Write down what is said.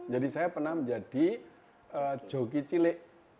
jadi saya pernah menjadi joki cilik